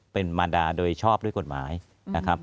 เป็นมารดาโดยชอบด้วยกฎหมายนะครับ